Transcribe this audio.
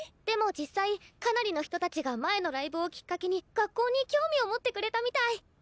でも実際かなりの人たちが前のライブをきっかけに学校に興味を持ってくれたみたい。